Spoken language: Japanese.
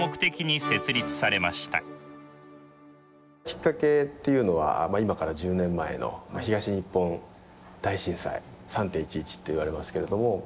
きっかけっていうのは今から１０年前の東日本大震災３・１１といわれますけれども。